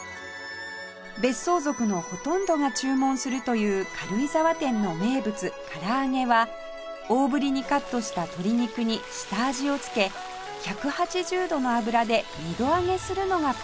別荘族のほとんどが注文するという軽井沢店の名物唐揚げは大ぶりにカットした鶏肉に下味を付け１８０度の油で二度揚げするのがポイント